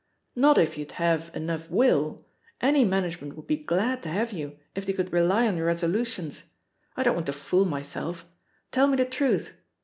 "Not if you'd have enough will! Any man agement would be glad to have you if they could rely on your resolutions. I don't want to fool myself; tell me the truth.